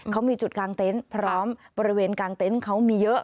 เขามีจุดกลางเต็นต์พร้อมบริเวณกลางเต็นต์เขามีเยอะ